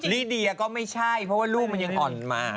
ลิเดียก็ไม่ใช่เพราะว่าลูกมันยังอ่อนมาก